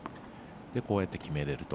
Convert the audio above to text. こうやって決めれると。